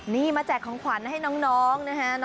นี่มาแจกของขวัญให้น้องนะฮะ